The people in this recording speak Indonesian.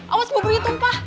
awas buburnya tumpah